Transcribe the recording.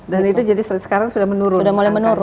dan itu jadi sekarang sudah menurun